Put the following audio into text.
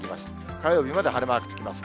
火曜日まで晴れマークつきます。